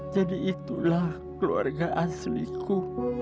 jadi itulah keluarga asliku